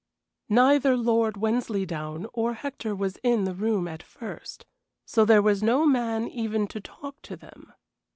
Neither Lord Wensleydown or Hector was in the room at first, so there was no man even to talk to them.